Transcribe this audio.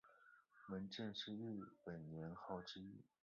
文正是日本年号之一。